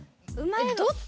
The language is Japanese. どっち？